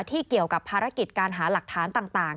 เกี่ยวกับภารกิจการหาหลักฐานต่าง